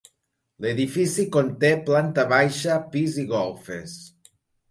L'edifici conté planta baixa, pis i golfes.